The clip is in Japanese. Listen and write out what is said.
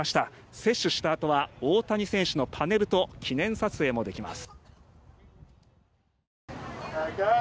接種したあとは大谷選手のパネルと記念撮影もできます。